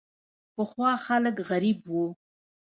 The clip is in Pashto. پخوا خلک غریب وو.